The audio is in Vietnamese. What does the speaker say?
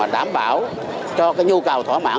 đảm bảo cho nhu cầu thỏa mãn